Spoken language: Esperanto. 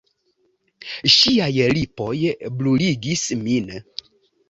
Ŝiaj lipoj bruligis min.